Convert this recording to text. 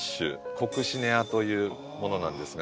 コクシネアというものなんですが。